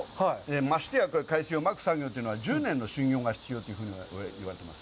ましてや海水をまく作業というのは１０年の修業が必要というふうに言われてます。